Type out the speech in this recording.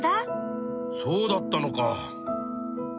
そうだったのか。